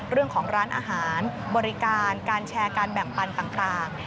เรื่องของร้านอาหารบริการการแชร์การแบ่งปันต่าง